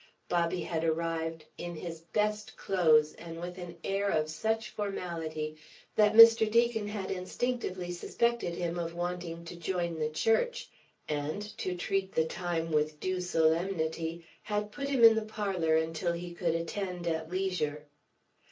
Bobby had arrived in his best clothes and with an air of such formality that Mr. Deacon had instinctively suspected him of wanting to join the church, and, to treat the time with due solemnity, had put him in the parlour until he could attend at leisure.